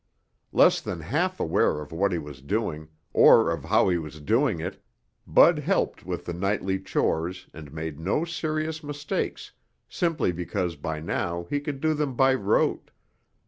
Less than half aware of what he was doing, or of how he was doing it, Bud helped with the nightly chores and made no serious mistakes simply because by now he could do them by rote.